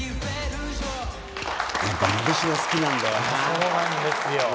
そうなんですよ。